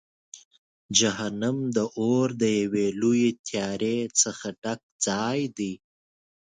جهنم د اور د یوې لویې تیارې سره ډک ځای دی.